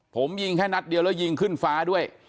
ผมยิงแค่นัดเดียวแล้วยิงขึ้นฟ้าด้วย